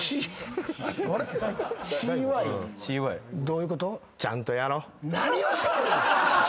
どういうこと？